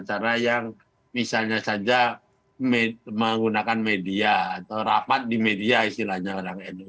cara yang misalnya saja menggunakan media atau rapat di media istilahnya orang nu